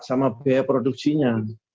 sama biaya produksinya